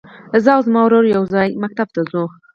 زه او زما ورور يوځای ښوونځي ته ځو.